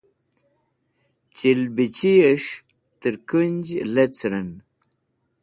chilbichi'esh ter kunj lecren